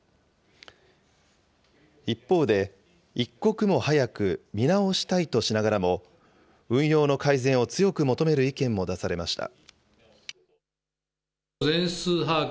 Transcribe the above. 一方で、一刻も早く見直したいとしながらも、運用の改善を強く求める意見も出されました。